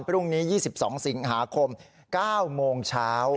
พรุ่งนี้๒๒สิงหาคม๙โมงเช้า